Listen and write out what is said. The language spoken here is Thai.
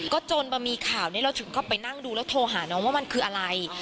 ก็จนมามีข่าวนี้เราถึงก็ไปนั่งดูแล้วโทรหาน้องว่ามันคืออะไร